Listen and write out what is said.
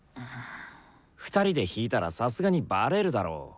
２人で弾いたらさすがにバレるだろ。